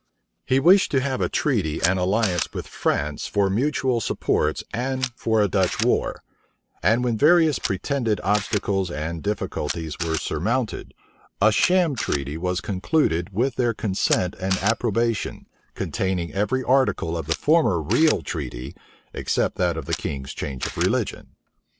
He wished to have a treaty and alliance with France for mutual supports and for a Dutch war; and when various pretended obstacles and difficulties were surmounted, a sham treaty was concluded with their consent and approbation, containing every article of the former real treaty, except that of the king's change of religion.